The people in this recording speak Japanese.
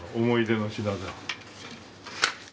思い出の品だ。